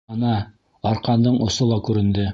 Ана, арҡандың осо ла күренде.